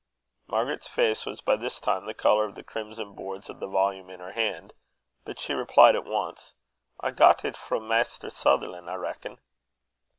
Margaret's face was by this time the colour of the crimson boards of the volume in her hand, but she replied at once: "I got it frae Maister Sutherlan', I reckon."